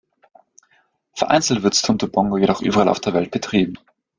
Vereinzelt wird Stunt Pogo jedoch überall auf der Welt betrieben.